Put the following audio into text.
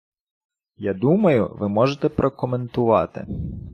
Я думаю, ви можете прокоментувати.